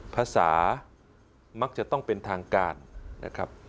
ภาษามักจะต้องเป็นทางการนะครับ